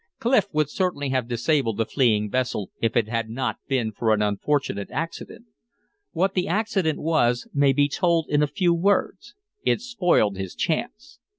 Clif would certainly have disabled the fleeing vessel if it had not been for an unfortunate accident. What the accident was may be told in a few words. It spoiled his chance.